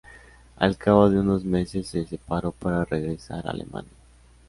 Al cabo de unos meses se separó para regresar a Alemania.